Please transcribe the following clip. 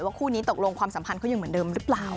คู่นี้ตกลงความสัมพันธ์เขายังเหมือนเดิมหรือเปล่า